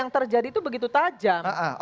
terjadi itu begitu tajam